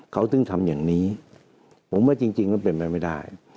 เขาถึงทำอย่างนี้ผมว่าจริงแล้วเป็นไปไม่ได้